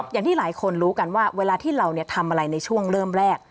อย่างที่หลายคนรู้กันว่าเวลาที่เราทำอะไรในช่วงเริ่มแรก